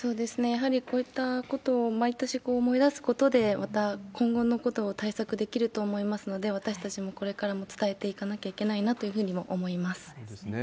やはりこういったことを毎年思い出すことで、また今後のことを対策できると思いますので、私たちもこれからも伝えていかなきゃいけないなというふうにも思そうですね。